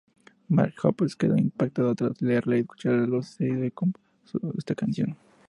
Mark Hoppus quedó impactado tras leerla y escuchar lo sucedido y compuso esta canción.